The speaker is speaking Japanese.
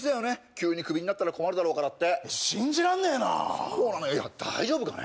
急にクビになったら困るだろうからって信じらんねえなそうなのよ大丈夫かね